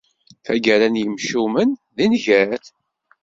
Taggara n yimcumen d nnger.